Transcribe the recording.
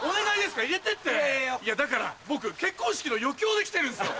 だから僕結婚式の余興で来てるんですよ。